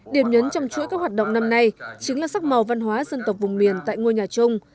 điểm nhấn trong chuỗi các hoạt động năm nay chính là sắc màu văn hóa dân tộc vùng miền tại ngôi nhà chung